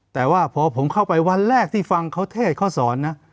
แต่ว่าพอผมเข้าไปวันแรกที่ฟังเขาเทศเขาสอนนะ